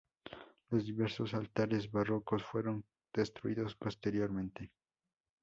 Los diversos altares barrocos fueron destruidos posteriormente.